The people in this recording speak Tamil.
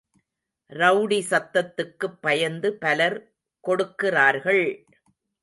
ரெளடிசத்துக்குப் பயந்து பலர் கொடுக்கிறார்கள்!